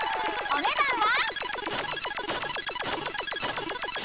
［お値段は？］